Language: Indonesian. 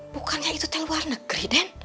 bukannya itu tel luar negeri